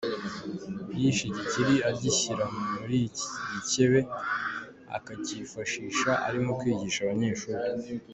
Yishe igikeri agishyira muri iki gikebe, akakifashisha arimo kwigisha abanyeshuri.